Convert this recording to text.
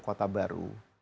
dengan membangun kota baru